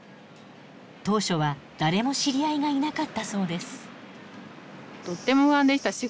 当初は誰も知り合いがいなかったそうです。